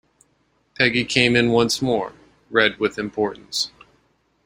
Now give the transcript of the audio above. Peggy came in once more, red with importance.